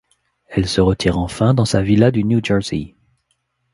Elle se retire enfin dans sa villa du New Jersey.